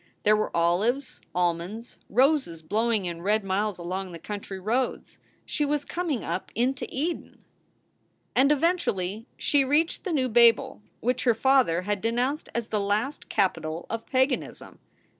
There were olives, almonds roses blowing in red miles along the country roads. She was coming up into Eden. And eventually she reached the new Babel, which her father had denounced as the last capital of paganism.